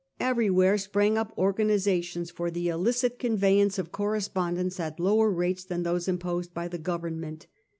Everywhere sprang up organisations for the illicit conveyance of correspondence at lower rates than those imposed by the Government.